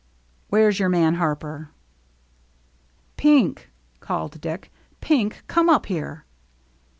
" Where's your man Harper ?" "Pink," called Dick. "Pink, come up here."